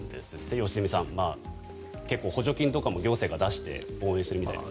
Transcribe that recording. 良純さん、結構補助金とかも行政が出して応援してるみたいです。